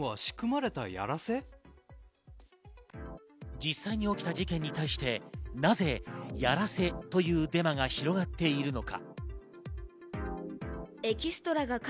実際に起きた事件に対して、なぜ、やらせというデマが広がっているのか。